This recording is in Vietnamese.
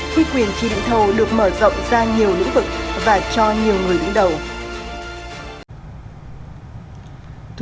khi quyền trì định thầu được mở rộng ra nhiều lĩnh vực